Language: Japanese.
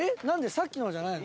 さっきのじゃないの？